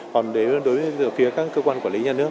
còn đối với phía các cơ quan quản lý nhà nước